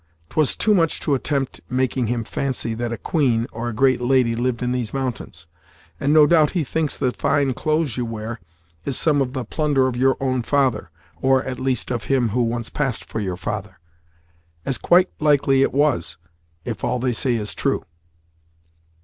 'Twas too much to attempt making him fancy that a queen, or a great lady, lived in these mountains, and no doubt he thinks the fine clothes you wear is some of the plunder of your own father or, at least, of him who once passed for your father; as quite likely it was, if all they say is true."